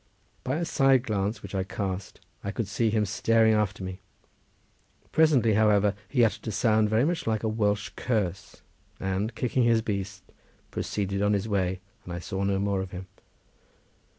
By a side glance which I cast I could see him staring after me; presently, however, he uttered a sound very much like a Welsh curse, and kicking his beast proceeded on his way, and I saw no more of him.